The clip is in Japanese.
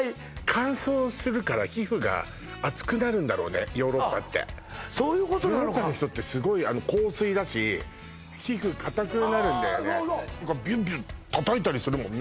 乾燥するから皮膚が厚くなるんだろうねヨーロッパってそういうことなのかヨーロッパの人ってすごい硬水だし皮膚硬くなるんだよねああそうそうビュンビュン叩いたりするもんね